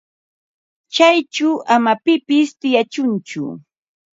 Chayćhu ama pipis tiyachunchu.